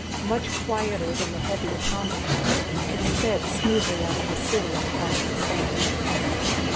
Much quieter than the heavy atomic cars, it sped smoothly out of the city and across the sand.